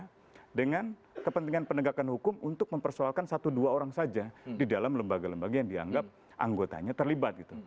nah disini saya kira kita harus pisahkan kepentingan lembaga dengan kepentingan penegakan hukum untuk mempersoalkan satu dua orang saja di dalam lembaga lembaga yang dianggap anggotanya terlibat